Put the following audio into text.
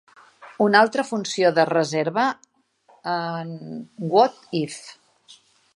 Una altra funció de reserva en What If?